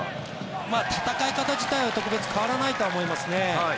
戦い方自体は特別変わらないと思いますね。